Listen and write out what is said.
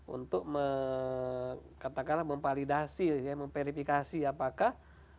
untuk mengkata kata memvalidasi ya memverifikasi apakah